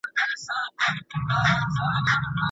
د ټولګي فضا باید صمیمي وي.